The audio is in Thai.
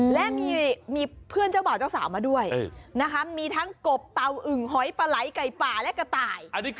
และมีเพื่อนเจ้าเบ่าเจ้าสาวมาด้วยมีทั้งกบเต่าอึงหอยปาไร้ก๋อยป่าและกระต่าย